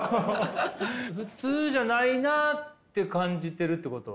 普通じゃないなあって感じてるってこと？